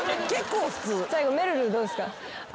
最後めるるどうですか？